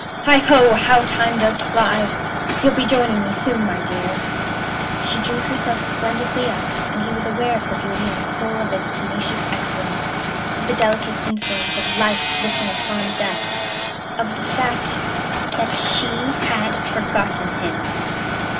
"Heigho! How time does fly! You'll be joining me soon, my dear." She drew herself splendidly up, and he was aware of her beauty in the full of its tenacious excellence of the delicate insolence of Life looking upon Death of the fact that she had forgotten him.